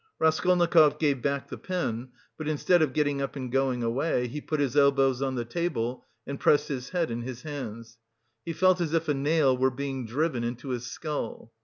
Raskolnikov gave back the pen; but instead of getting up and going away, he put his elbows on the table and pressed his head in his hands. He felt as if a nail were being driven into his skull.